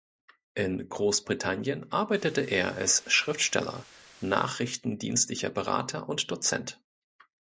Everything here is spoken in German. In Großbritannien arbeitete er als Schriftsteller, nachrichtendienstlicher Berater und Dozent.